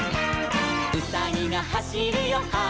「うさぎがはしるよはしる」